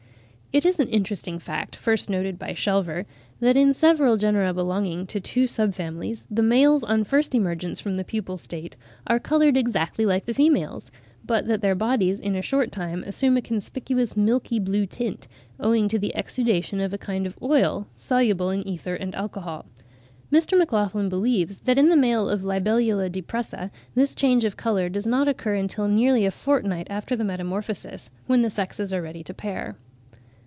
It is an interesting fact, first noticed by Schelver, that, in several genera belonging to two sub families, the males on first emergence from the pupal state, are coloured exactly like the females; but that their bodies in a short time assume a conspicuous milky blue tint, owing to the exudation of a kind of oil, soluble in ether and alcohol. Mr. MacLachlan believes that in the male of Libellula depressa this change of colour does not occur until nearly a fortnight after the metamorphosis, when the sexes are ready to pair.